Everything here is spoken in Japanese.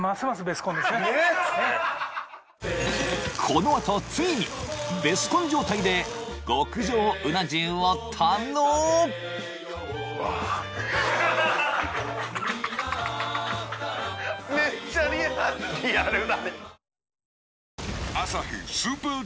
このあとついにベスコン状態で極上うな重を堪能めっちゃリアル！